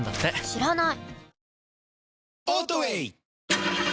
知らない！